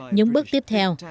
những bước tiếp theo